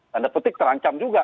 tanda petik terancam juga